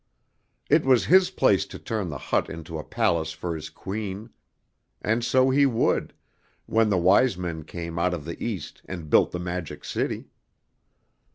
It was his place to turn the hut into a palace for his Queen; and so he would, when the Wise Men came out of the East and built the Magic City.